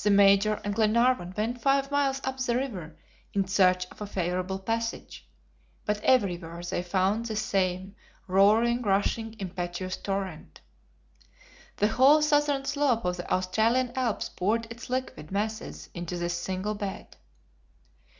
The Major and Glenarvan went five miles up the river in search of a favorable passage, but everywhere they found the same roaring, rushing, impetuous torrent. The whole southern slope of the Australian Alps poured its liquid masses into this single bed.